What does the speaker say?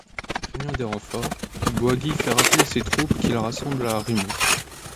Craignant des renforts, Boisguy fait rappeler ses troupes qu’il rassemble à Rimou.